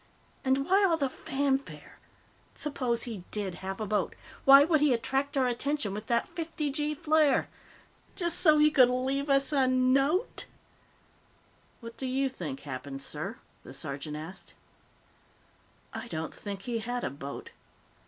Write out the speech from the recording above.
And why all the fanfare? Suppose he did have a boat? Why would he attract our attention with that fifty gee flare? Just so he could leave us a note?" "What do you think happened, sir?" the sergeant asked. "I don't think he had a boat.